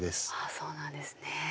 そうなんですね。